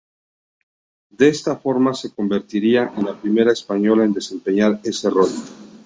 De esta forma se convertiría en la primera española en desempeñar ese rol.